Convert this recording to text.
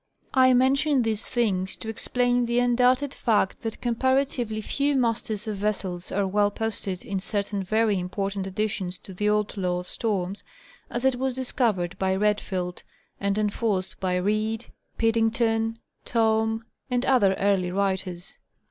I men tion these things to explain the undoubted fact that comparatively few masters of vessels are well posted in certain very important additions to the old law of storms, as it was discovered by Red field and enforced by Reid, Piddington, Thom, and other early writers.